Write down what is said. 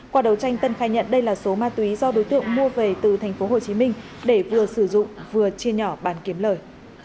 qua đầu tranh tân khai nhận đây là số ma túy do đối tượng mua về từ thành phố hồ chí minh để vừa sử dụng vừa chia nhỏ bàn kiếm lời